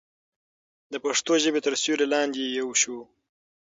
د پښتو ژبې تر سیوري لاندې یو شو.